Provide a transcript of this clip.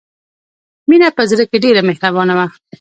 مینه په زړه کې ډېره مهربانه وه